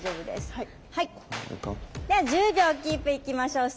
では１０秒キープいきましょう。